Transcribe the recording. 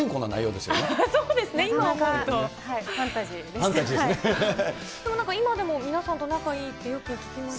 でも、なんか今でも皆さんと仲いいってよく聞きます。